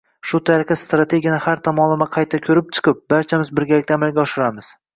Shu tariqa Strategiyani har tomonlama qayta ko‘rib chiqib, barchamiz birgalikda amalga oshiramiz!